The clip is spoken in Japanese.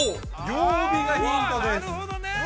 ◆「曜日」がヒントです。